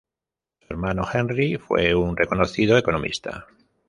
Su hermano Henri fue un reconocido economista.